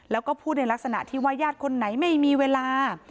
แล้วก็พูดในลักษณะที่ว่าญาติคนไหนไม่มีเวลา